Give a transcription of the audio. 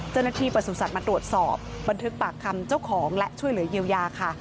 เจ้าหน้าที่ประสุนสัตว์มาตรวจสอบบันทึกปากคำเจ้าของและช่วยเหลือเยียวยาค่ะ